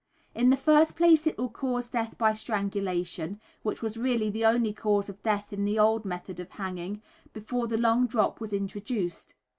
In the first place, it will cause death by strangulation, which was really the only cause of death in the old method of hanging, before the long drop was introduced.